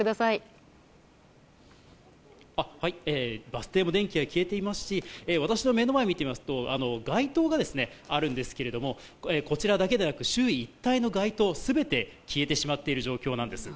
バス停も電気が消えていますし私の目の前を見てみますと街灯があるんですがこちらだけでなく周囲一帯の街灯全て消えてしまっている状況です。